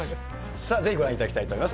さあぜひご覧いただきたいと思います。